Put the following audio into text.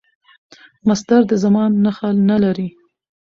مصدر د زمان نخښه نه لري.